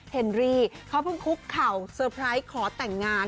รี่เขาเพิ่งคุกเข่าเซอร์ไพรส์ขอแต่งงาน